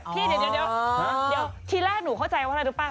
พี่เดี๋ยวทีแรกหนูเข้าใจว่าอะไรรู้ป่